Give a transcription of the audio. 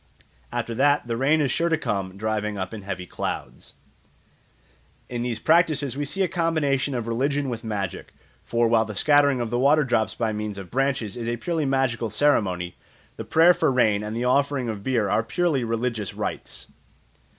After that the rain is sure to come driving up in heavy clouds. In these practices we see a combination of religion with magic; for while the scattering of the water drops by means of branches is a purely magical ceremony, the prayer for rain and the offering of beer are purely religious rites.